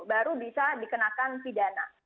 baru bisa dikenakan pidana